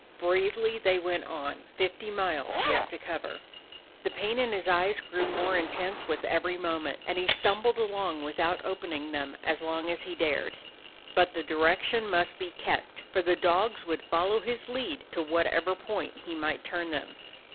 Bravely they went on; fifty miles yet to cover. The pain in his eyes grew more intense with every moment, and he stumbled along without opening them as long as he dared. But the direction must be kept, for the dogs would follow his lead to whatever point he might turn them.